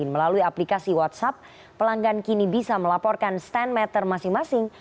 melalui aplikasi whatsapp pelanggan kini bisa melaporkan stand meter masing masing